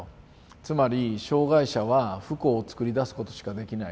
つまり「障害者は不幸を作り出すことしかできない。